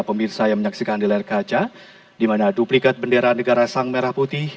pemirsa yang menyaksikan di layar kaca di mana duplikat bendera negara sang merah putih